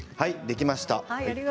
できました。